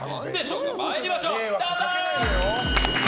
参りましょう、どうぞ。